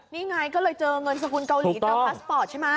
นี่ไงก็เลยเจอเงินสกุลเกาหลีเจอพาสปอร์ตใช่ไหม